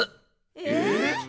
え！？